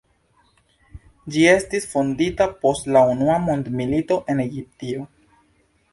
Ĝi estis fondita post la unua mondmilito en Egiptio.